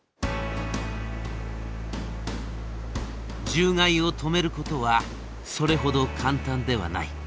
獣害を止めることはそれほど簡単ではない。